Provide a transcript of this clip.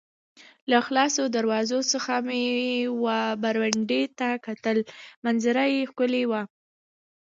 له خلاصو دروازو څخه مې وه برنډې ته کتل، منظره یې ښکلې وه.